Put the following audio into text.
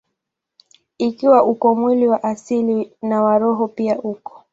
Ikiwa uko mwili wa asili, na wa roho pia uko.